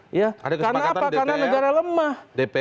karena apa karena negara lemah